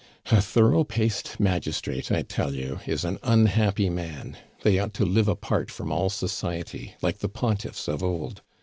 "A thorough paced magistrate, I tell you, is an unhappy man. They ought to live apart from all society, like the pontiffs of old.